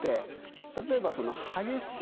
例えばその激しいですね